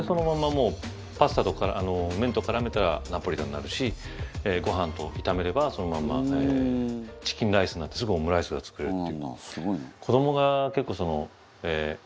もうパスタとか麺と絡めたらナポリタンになるしご飯と炒めればそのままチキンライスになってすぐオムライスが作れるっていう。